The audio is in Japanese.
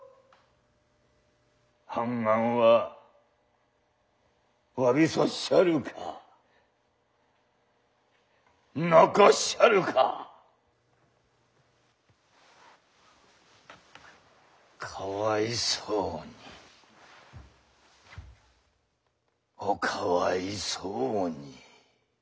「判官は詫びさっしゃるか泣かっしゃるかかわいそうにおかわいそうに」。